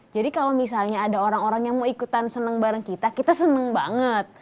jadi kalo misalnya ada orang orang yang mau ikutan seneng bareng kita kita seneng banget